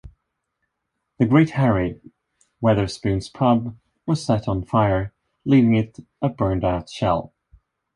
"The Great Harry" Wetherspoons' Pub was set on fire, leaving it a burned-out shell.